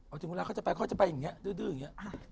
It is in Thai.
เอาถึงเวลาเขาจะไปเขาจะไปอย่างนี้ดื้ออย่างนี้